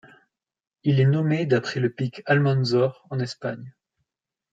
Il est nommé d'après le pic Almanzor en Espagne.